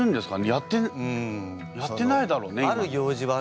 やってないだろうねいま。